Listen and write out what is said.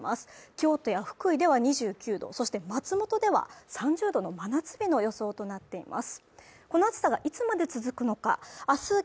京都や福井では２９度そして松本では、３０度の真夏日の予想となっています。